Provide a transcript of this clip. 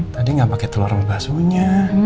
tadi gak pake telur membasunya